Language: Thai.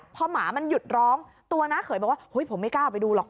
พอหมามันหยุดร้องตัวน้าเขยบอกว่าเฮ้ยผมไม่กล้าไปดูหรอก